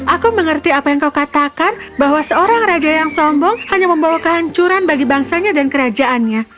aku mengerti apa yang kau katakan bahwa seorang raja yang sombong hanya membawa kehancuran bagi bangsanya dan kerajaannya